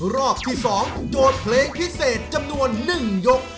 รอบที่๒โจทย์เพลงพิเศษจำนวน๑ยก